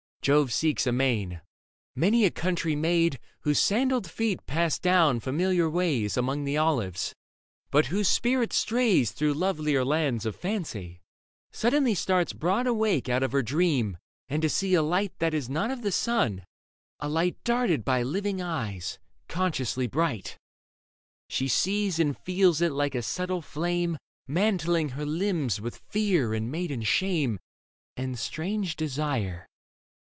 Jove seeks amain. Many a country maid, Whose sandalled feet pass down familiar ways Among the olives, but whose spirit strays Through lovelier lands of fancy, suddenly Starts broad awake out of her dream to see A light that is not of the sun, a light Darted by living eyes, consciously bright ; She sees and feels it like a subtle flame Mantling her limbs with fear and maiden shame And strange desire.